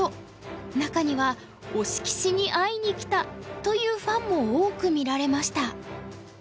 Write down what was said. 中には「推し棋士に会いにきた」というファンも多く見られました。